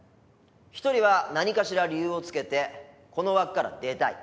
一人は何かしら理由をつけてこの枠から出たい。